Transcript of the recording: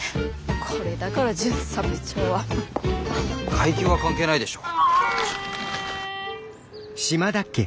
これだから巡査部長は。階級は関係ないでしょ。